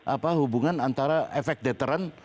apa hubungan antara efek deteran